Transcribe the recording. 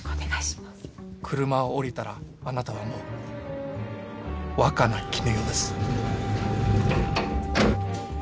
車を降りたらあなたはもう若菜絹代です。